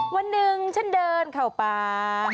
วันหนึ่งฉันเดินเข้าป่า